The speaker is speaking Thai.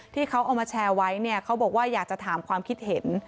ที่เขาเอามาแชร์ไว้เนี่ยเขาบอกว่าอยากจะถามความคิดเห็น